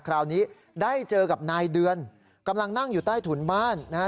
คราวนี้ได้เจอกับนายเดือนกำลังนั่งอยู่ใต้ถุนบ้านนะฮะ